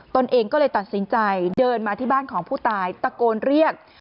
ตนเองก็เลยตัดสินใจเดินมาที่บ้านของผู้ตายตะโกนเรียก